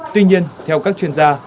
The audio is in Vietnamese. tuy nhiên theo các chuyên gia